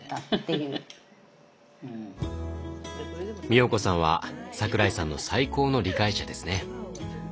みおこさんは桜井さんの最高の理解者ですね。